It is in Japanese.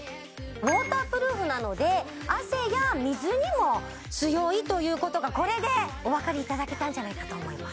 ウォータープルーフなので汗や水にも強いということがこれでおわかりいただけたんじゃないかと思います